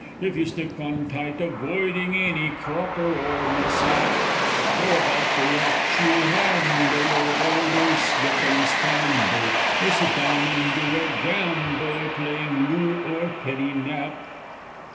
(If you stick on tight, avoiding any cropper or mishap,) Or about the rocks you ramble; over boulders slip and scramble; Or sit down and do a gamble, playing "Loo" or "Penny Nap."